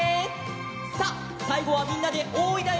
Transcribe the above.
さあさいごはみんなで「おい」だよ！